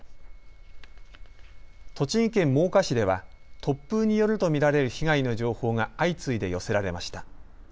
栃木県真岡市では突風によると見られる被害の情報が相次いで寄せられました。